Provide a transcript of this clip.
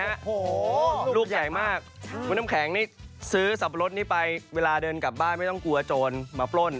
เฮ้อรูกแข็งมากว้าวน้ำแข็งนี่สื้อซัปรสนี้ไปเวลาเดินกลับบ้านไม่ต้องกลัวโจรมาปล้น